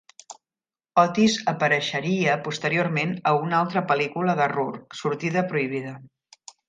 Otis apareixeria posteriorment a una altra pel·lícula de Rourke, "Sortida prohibida".